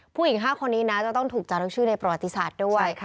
ผู้หญิง๕คนนี้นะจะต้องถูกจารึกชื่อในประวัติศาสตร์ด้วย